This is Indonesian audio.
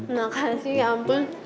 makasih ya ampun